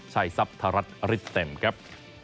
ใช้ทรัพย์ทรัพย์ฤดเต็มครับ